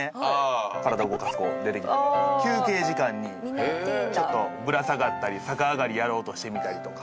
体動かす子出てきたり休憩時間にちょっとぶら下がったり逆上がりやろうとしてみたりとか。